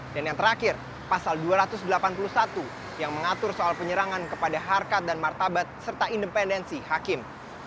dan yang terakhir pasal dua ratus delapan puluh satu yang mengatur soal penyerangan kepada harkat dan martabat serta independensi hakim